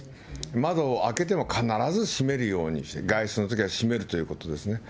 窓を開けても必ず閉めるように、外出のときは閉めるということですね。